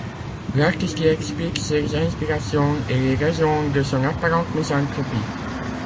L'artiste y explique ses inspirations et les raisons de son apparente misanthropie.